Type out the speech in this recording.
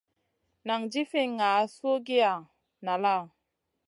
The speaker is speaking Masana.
Nan jifi ŋah suhgiya nala ?